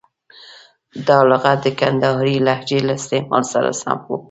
دا لغت د کندهارۍ لهجې له استعمال سره سم و.